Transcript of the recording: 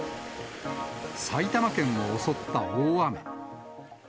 埼玉県を襲った大雨。